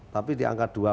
tapi di angka dua puluh